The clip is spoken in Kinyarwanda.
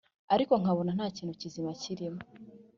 ariko nkabona ntakintu kizima kirimo!